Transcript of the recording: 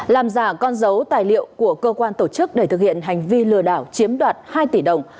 làm giả con dấu tài liệu của cơ quan tổ chức để thực hiện hành vi lừa đảo chiếm đoạt hai tỷ đồng